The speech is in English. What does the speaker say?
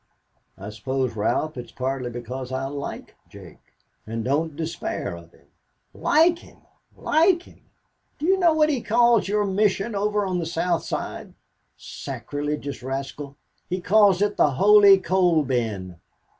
"I suppose, Ralph, it is partly because I like Jake and don't despair of him." "Like him! Like him! Do you know what he calls your mission over on the South Side sacrilegious rascal. He calls it the Holy Coal Bin.